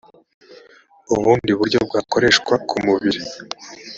ubundi buryo bwakoreshwa ku mubiri